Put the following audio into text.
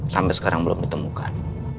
sampai sekarang belum ditemukan